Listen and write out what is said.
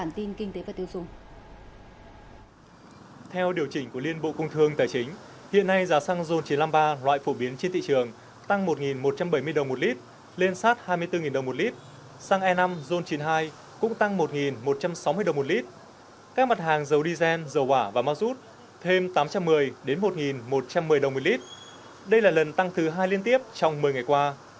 theo điều chỉnh của liên bộ cung thương tài chính hiện nay giá xăng zol chín trăm năm mươi ba loại phổ biến trên thị trường tăng một một trăm bảy mươi đồng một lit lên sát hai mươi bốn đồng một lit xăng e năm zol chín mươi hai cũng tăng một một trăm sáu mươi đồng một lit các mặt hàng dầu dizen dầu quả và ma rút thêm tám trăm một mươi đến một một trăm một mươi đồng một lit đây là lần tăng thứ hai liên tiếp trong một mươi ngày qua